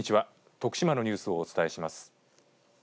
徳島のニュースをお伝えします。